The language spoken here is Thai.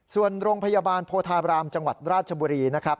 ส่วนโรงพยาบาลโพธาบรามจังหวัดราชบุรีนะครับ